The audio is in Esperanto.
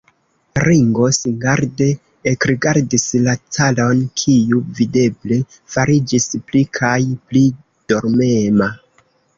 Ringo singarde ekrigardis la caron, kiu videble fariĝis pli kaj pli dormema.